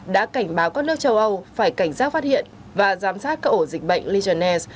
đã cảnh báo các nước châu âu phải cảnh giác phát hiện và giám sát các ổ dịch bệnh legionella